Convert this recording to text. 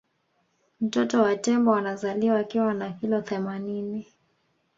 mtoto wa tembo anazaliwa akiwa na kilo themanini